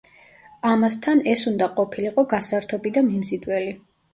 ამასთან ეს უნდა ყოფილიყო გასართობი და მიმზიდველი.